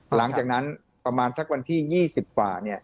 หลังจากนั้นประมาณสักวันที่๒๐กว่า